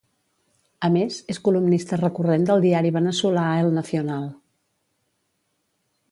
A més, és columnista recurrent del diari veneçolà El Nacional.